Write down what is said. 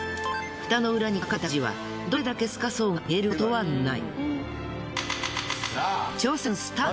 フタの裏に書かれたクジはどれだけ透かそうが見えることはない。